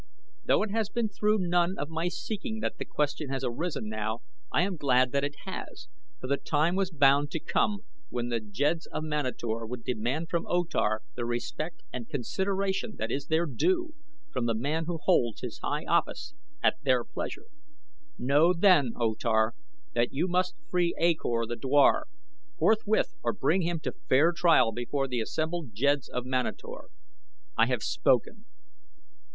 Though it has been through none of my seeking that the question has arisen now I am glad that it has, for the time was bound to come when the jeds of Manator would demand from O Tar the respect and consideration that is their due from the man who holds his high office at their pleasure. Know, then, O Tar, that you must free A Kor, the dwar, forthwith or bring him to fair trial before the assembled jeds of Manator. I have spoken."